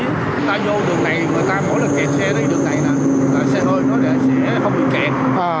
người ta vô đường này người ta mỗi lần kẹt xe đến đường này nè xe hơi nó sẽ không bị kẹt